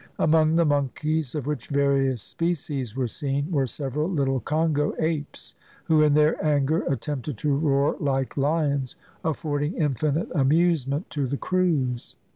Among the monkeys, of which various species were seen, were several little Congo apes, who, in their anger, attempted to roar like lions, affording infinite amusement to the crews.